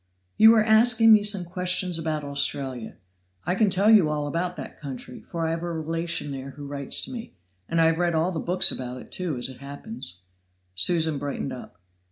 "You were asking me some questions about Australia. I can tell you all about that country, for I have a relation there who writes to me. And I have read all the books about it, too, as it happens." Susan brightened up.